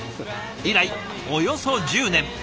以来およそ１０年。